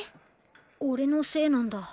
オレのせいなんだ。